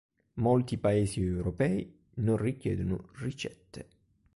Molti paesi europei non richiedono ricette.